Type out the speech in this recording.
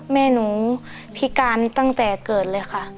แม่หนูพิการตั้งแต่เกิดเลยค่ะ